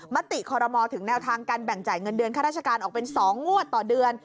มติคอรมอลถึงแนวทางการแบ่งจ่ายเงินเดือนข้าราชการออกเป็น๒งวดต่อเดือน